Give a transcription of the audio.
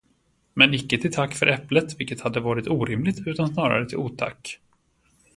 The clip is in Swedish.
Men icke till tack för äpplet, vilket hade varit orimligt, utan snarare till otack.